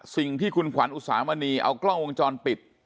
สิ่งที่คุณขวัญอุสามณีเอากล้องวงจรปิด